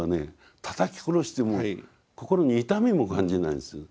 たたき殺しても心に痛みも感じないんです。